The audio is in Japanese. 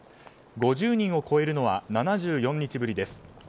５０人を超えるのは７４日ぶりです。